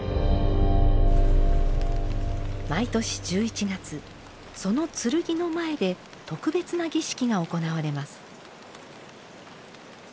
毎年１１月その剣の前で特別な儀式が行われます。